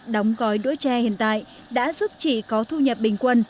đóng gói đũa tre hiện tại đã giúp chị có thu nhập bình quân